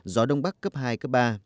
gió đông bắc cấp hai cấp ba